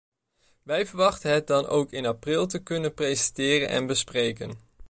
Wij verwachten het dan ook in april te kunnen presenteren en bespreken.